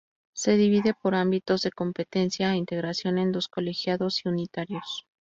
Se divide por ámbitos de competencia e integración en dos: Colegiados y Unitarios.